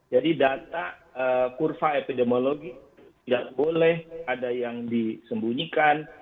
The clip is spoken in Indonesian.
data kurva epidemiologi tidak boleh ada yang disembunyikan